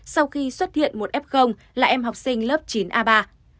sau khi xuất hiện một f là em học sinh lớp chín a ba